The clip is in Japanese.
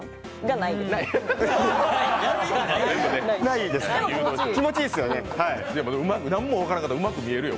なんもわからんかったらうまく見えるよ。